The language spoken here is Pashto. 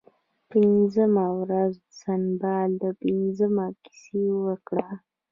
پنځمه ورځ سنباد پنځمه کیسه وکړه.